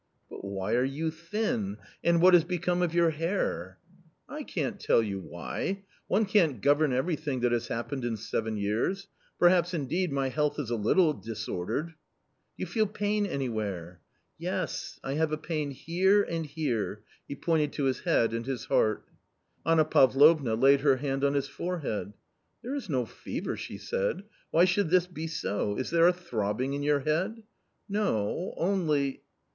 " But why are you thin ? and what has become of your hair ?"" I can't tell you why .... one can't govern everything that has happened in seven years .... perhaps, indeed, my health is a little disordered." " Do you feel pain anywhere ?"" Yes, I have a pain here, and here." He pointed to his \J h ead an^ his h earts Anna Pavlovna laid her hand on his forehead. "There is no fever," she said. "Why should this be so ? Is there a throbbing in your head ?" "No .... only